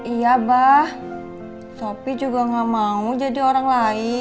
iya bah sopi juga gak mau jadi orang lain